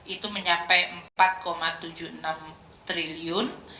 itu mencapai empat tujuh puluh enam triliun